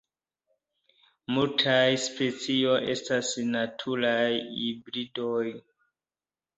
Multaj specioj estas naturaj hibridoj.